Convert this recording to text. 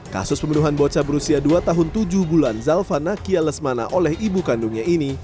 kasus pembunuhan bocah berusia dua tahun tujuh bulan zalfana kia lesmana oleh ibu kandungnya ini